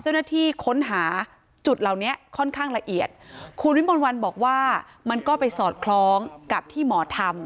เจ้าหน้าที่ค้นหาจุดเหล่านี้ค่อนข้างละเอียดคุณวิมนต์วันบอกว่ามันก็ไปสอดคล้องกับที่หมอทำ